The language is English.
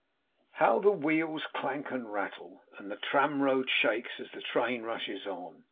How the wheels clank and rattle, and the tram road shakes, as the train rushes on!